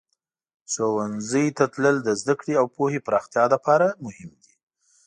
ښوونځي ته تلل د زده کړې او پوهې پراختیا لپاره مهم دی.